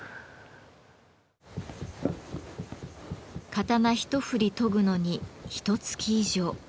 刀一振り研ぐのにひとつき以上。